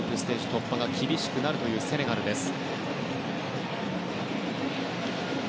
突破が厳しくなるというセネガルです。